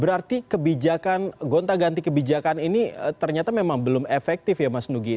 berarti kebijakan gonta ganti kebijakan ini ternyata memang belum efektif ya mas nugi